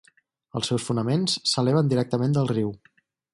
Els seus fonaments s'eleven directament del riu.